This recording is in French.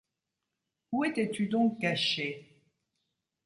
Où étais-tu donc caché?